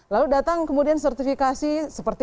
lalu datang kemudian sertifikasi seperti